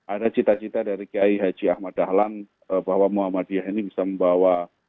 ada cita cita dari kiai haji ahmad dahlan bahwa muhammadiyah ini bisa membawa